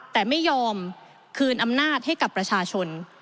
แต่ไม่ยอมคืนอำนาจให้กับประชาชน